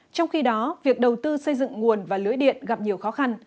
trong khi đó việc đầu tư xây dựng nguồn và lưới điện gặp nhiều khó khăn